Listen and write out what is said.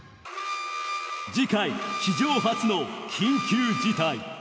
次回史上初の緊急事態